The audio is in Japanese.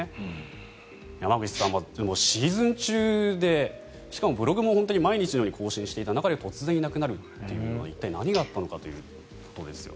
山口さん、シーズン中でしかもブログも毎日のように更新していた中で突然いなくなるというのは一体、何があったのかということですよね。